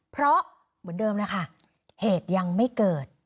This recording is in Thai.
เพราะเหตุยังไม่เกิด